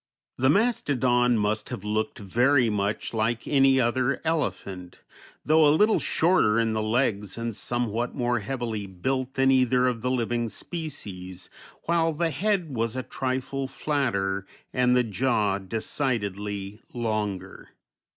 The mastodon must have looked very much like any other elephant, though a little shorter in the legs and somewhat more heavily built than either of the living species, while the head was a trifle flatter and the jaw decidedly longer.